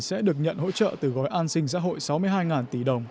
sẽ được nhận hỗ trợ từ gói an sinh xã hội sáu mươi hai tỷ đồng